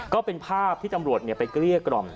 ก็เป็นภาพที่ตำรวจไปเกลี้ยกล่อม